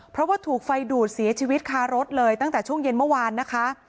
เพราะว่าถูกไฟดูดเสียชีวิตคารถเลยตั้งแต่ช่วงเย็นเมื่อวานนะคะ